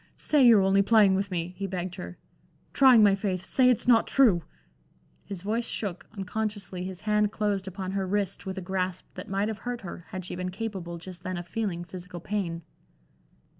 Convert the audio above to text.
"Say you're only playing with me," he begged her, "trying my faith say it's not true." His voice shook, unconsciously his hand closed upon her wrist with a grasp that might have hurt her, had she been capable just then of feeling physical pain.